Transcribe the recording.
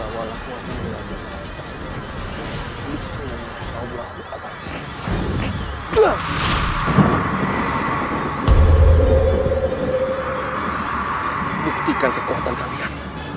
buktikan kekuatan kalian